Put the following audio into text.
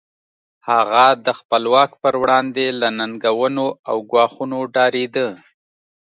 هغه د خپل واک پر وړاندې له ننګونو او ګواښونو ډارېده.